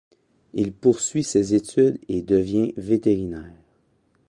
Il poursuit ses études et devient vétérinaire.